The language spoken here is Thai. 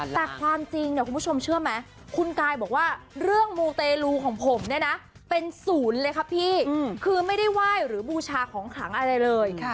แต่ความจริงเนี่ยคุณผู้ชมเชื่อไหมคุณกายบอกว่าเรื่องมูเตรลูของผมเนี่ยนะเป็นศูนย์เลยครับพี่คือไม่ได้ไหว้หรือบูชาของขลังอะไรเลย